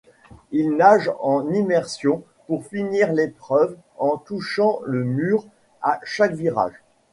Il nage en immersion pour finir l'épreuve en touchant le mur à chaque virage.